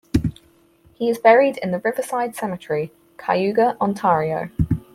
He is buried in the Riverside Cemetery, Cayuga, Ontario.